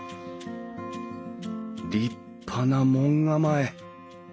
立派な門構え。